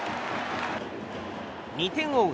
２点を追う